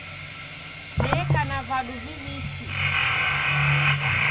Neka na vadu viw'ishi